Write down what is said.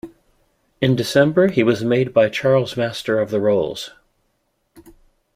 In December he was made by Charles Master of the Rolls.